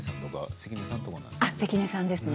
関根さんですね。